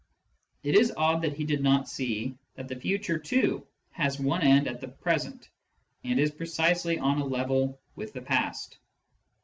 It is odd that he did not see that the future too has one end at the present, and is precisely on a level with the past.